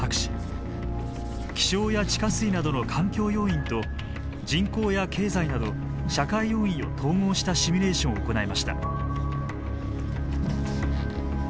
気象や地下水などの環境要因と人口や経済など社会要因を統合したシミュレーションを行いました。